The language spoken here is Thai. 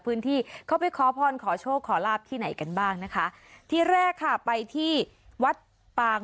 พื้นที่เขาไปขอพรขอโชคขอลาบที่ไหนกันบ้างนะคะที่แรกค่ะไปที่วัดปาง